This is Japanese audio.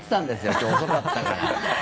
今日遅かったから。